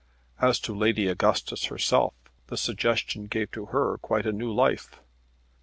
As to Lady Augustus herself, the suggestion gave to her quite a new life.